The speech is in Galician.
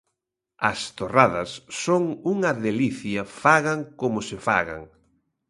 As torradas son unha delicia fagan como se fagan.